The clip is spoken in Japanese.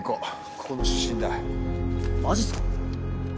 ここの出身だマジっすか